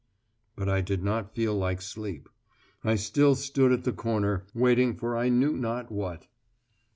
But I did not feel like sleep. I still stood at the corner, waiting for I knew not what.